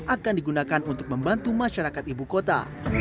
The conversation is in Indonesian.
akan digunakan untuk membantu masyarakat ibu kota